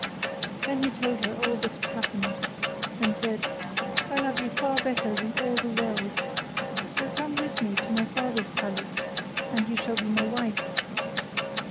Then he told her all that had happened, and said, 'I love you far better than all the world; so come with me to my father's palace, and you shall be my wife.